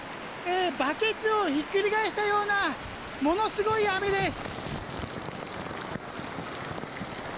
バケツをひっくり返したようなものすごい雨です。